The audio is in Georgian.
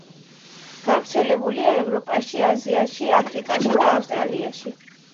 გავრცელებულია ევროპაში, აზიაში, აფრიკასა და ავსტრალიაში.